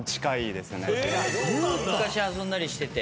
昔遊んだりしてて。